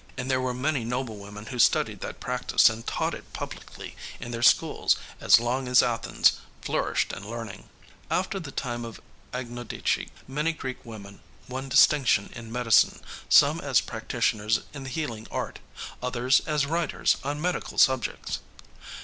And there were many noble women who studied that practice and taught it publicly in their schools as long as Athens flourished in learning." After the time of Agnodice many Greek women won distinction in medicine, some as practitioners in the healing art, others as writers on medical subjects.